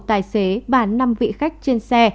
tài xế và năm vị khách trên xe